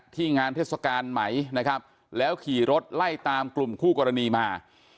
งานเทศกาลไหมนะครับแล้วขี่รถไล่ตามกลุ่มคู่กรณีมา